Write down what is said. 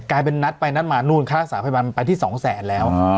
กลายเป็นนัดไปนัดมานู่นค่าสาธิบัณฑ์ไปที่สองแสนแล้ว